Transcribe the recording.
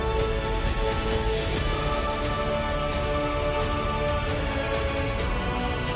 สวัสดีค่ะสวัสดีค่ะ